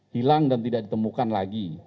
hilang dan tidak ditemukan lagi